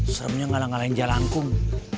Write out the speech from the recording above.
seremnya kalah kalahin jelangkung